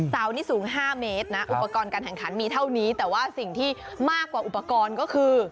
เสานี่สูง๕เมตรนะอุปกรณ์การแข่งขันมีเท่านี้แต่ว่าสิ่งที่มากกว่าอุปกรณ์ก็คือ